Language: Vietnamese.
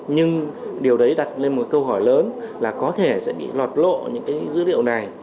nhưng điều đấy đặt lên một câu hỏi lớn là có thể sẽ bị lọt lộ những dữ liệu này